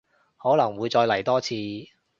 可能會再嚟多次